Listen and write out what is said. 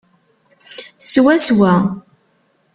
Swaswa!